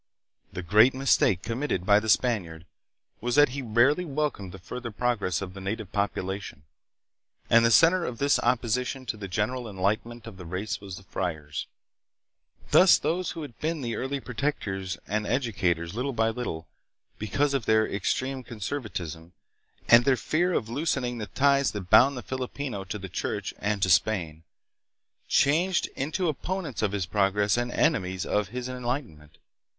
The great mistake committed by the Span iard was that he rarely welcomed the further progress of the native population, and the center of this opposition to the general enlightenment of the race was the friars. Thus those who had been the early protectors and edu cators, little by little, because of their extreme conserva tism and their fear of loosening the ties that bound the Filipino to the church and to Spain, changed into oppo nents of his progress and enemies of his enlightenment; 278 THE PHILIPPINES.